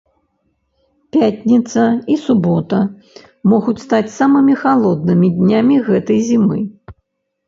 Пятніца і субота могуць стаць самымі халоднымі днямі гэтай зімы.